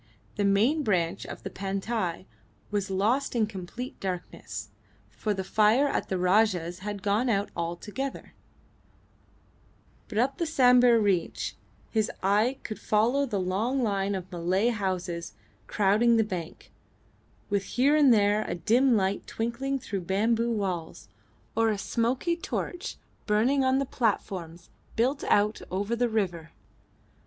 The main branch of the Pantai was lost in complete darkness, for the fire at the Rajah's had gone out altogether; but up the Sambir reach his eye could follow the long line of Malay houses crowding the bank, with here and there a dim light twinkling through bamboo walls, or a smoky torch burning on the platforms built out over the river.